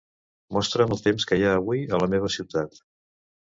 Mostra'm el temps que hi ha avui a la meva ciutat.